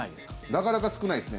なかなか少ないですね。